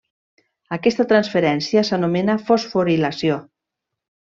Aquesta transferència s'anomena fosforilació.